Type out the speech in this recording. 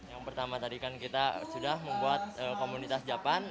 yang pertama tadi kan kita sudah membuat komunitas japan